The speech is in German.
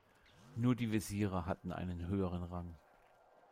Nur die Wesire hatten einen höheren Rang.